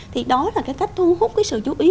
thì đó là cái cách thu hút cái sự chú ý